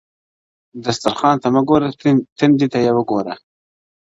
دسترخان ته مه گوره، تندي ته ئې گوره.